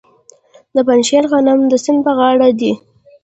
د پنجشیر غنم د سیند په غاړه دي.